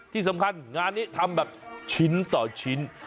ที่สำคัญงานนี้ทำแบบชิ้นต่อชิ้น